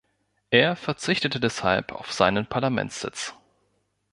Er verzichtete deshalb auf seinen Parlamentssitz.